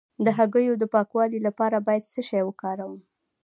د هګیو د پاکوالي لپاره باید څه شی وکاروم؟